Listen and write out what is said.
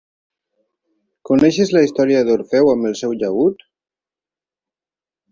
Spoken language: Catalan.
Coneixes la història d'Orfeu amb el seu llaüt?